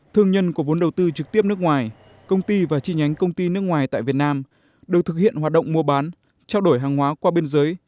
thương nhân có vốn đầu tư trực tiếp nước ngoài công ty và chi nhánh công ty nước ngoài tại việt nam đều thực hiện hoạt động mua bán trao đổi hàng hóa qua biên giới